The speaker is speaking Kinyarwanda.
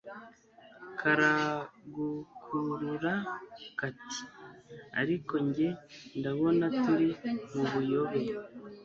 karagukurura kati ariko njye ndabona turi mubuyobe